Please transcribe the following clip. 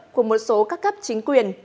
của một số các cấp chính quyền